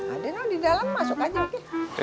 ada yang di dalam masuk aja oke